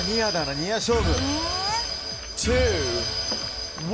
ニア勝負。